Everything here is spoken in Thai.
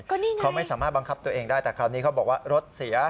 นี่ไงเขาไม่สามารถบังคับตัวเองได้แต่คราวนี้เขาบอกว่ารถเสีย